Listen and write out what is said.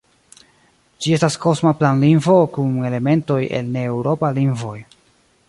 Ĝi estas kosma planlingvo kun elementoj el ne-eŭropaj lingvoj.